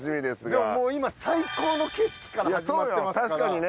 でももう今最高の景色から始まってますから。